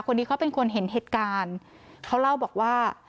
คนนี้เขาเป็นคนเห็นเหตุการณ์เขาเล่าบอกว่า